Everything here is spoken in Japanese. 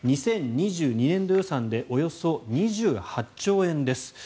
２０２２年度予算でおよそ２８兆円です。